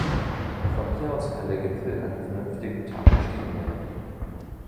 Von hier aus kann der Gipfel in einem vernünftigen Tag bestiegen werden.